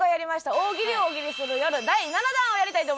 大喜利を大喜利する夜第７弾をやりたいと思います。